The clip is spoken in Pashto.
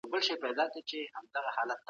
په هرات کي ډېری لرغونی ودانۍ شتون لري.